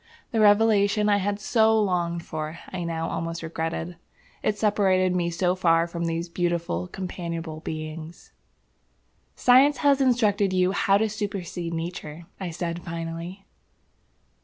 The revelation I had so longed for, I now almost regretted. It separated me so far from these beautiful, companionable beings. "Science has instructed you how to supercede Nature," I said, finally.